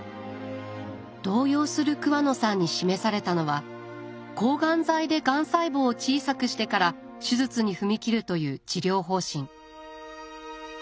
動揺する桑野さんに示されたのは抗がん剤でがん細胞を小さくしてから手術に踏み切るという治療方針。